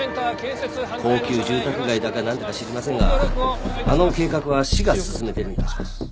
高級住宅街だかなんだか知りませんがあの計画は市が進めているんだ。